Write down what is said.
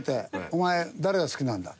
「お前誰が好きなんだ？」。